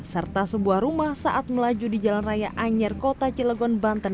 serta sebuah rumah saat melaju di jalan raya anyer kota cilegon banten